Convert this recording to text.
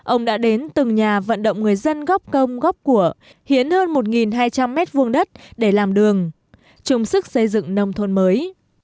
ông đã đến từng nhà vận động người dân gốc công gốc của hiến hơn một hai trăm linh m hai đất để làm đường chung sức xây dựng nông thôn mới